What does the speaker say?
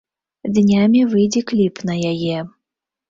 Днямі выйдзе кліп на яе.